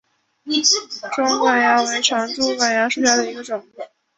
肿管蚜为常蚜科肿管蚜属下的一个种。